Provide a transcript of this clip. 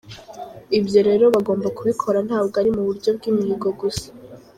Ibyo rero bagomba kubikora ntabwo ari mu buryo by’imihigo gusa.